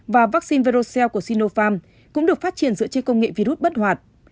và vaccine verocell của sinopharm cũng được phát triển dựa trên công nghệ virus bất hoạt